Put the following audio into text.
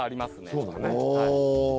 そうだね。